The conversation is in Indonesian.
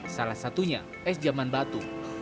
salah satunya es zaman batu